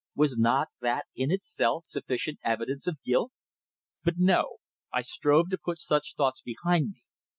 Was not that in itself sufficient evidence of guilt? But no! I strove to put such thoughts behind me.